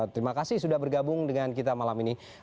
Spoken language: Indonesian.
terima kasih sudah bergabung dengan kita malam ini